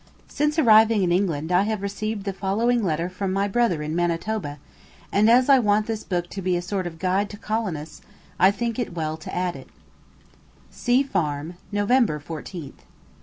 Since arriving in England I have received the following letter from my brother in Manitoba, and as I want this book to be a sort of guide to colonists I think it well to add it: C FARM, November 14th.